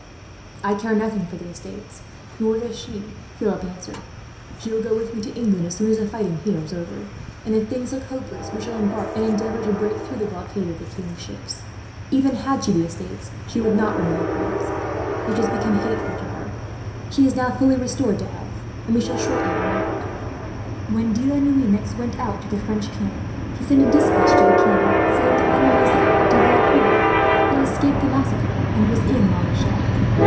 "I care nothing for the estates, nor does she," Philip said. "She will go with me to England, as soon as the fighting here is over; and if things look hopeless, we shall embark, and endeavour to break through the blockade by the king's ships. Even had she the estates, she would not remain in France, which has become hateful to her. She is now fully restored to health, and we shall shortly be married." When De la Noue next went out to the French camp, he sent a despatch to the king, saying that Mademoiselle de Valecourt had escaped the massacre and was in La Rochelle.